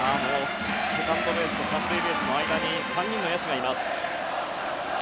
セカンドベースと３塁ベースの間に３人の野手がいます。